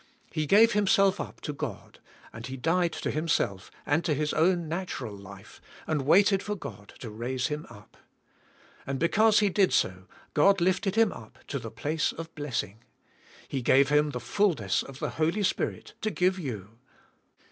He g"ave Himself up to God, and He died to Himself and to His own natural life, and waited for God to raise Him up And because He did so God lifted Him up to the place of blessing . He g ave Him the fullness of the Holy Spirit to give you.